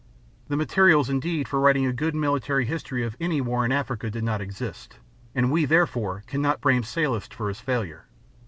The materials, indeed, for writing a good military history of any war in Africa did not exist, and we, therefore, cannot blame Sallust for his failure.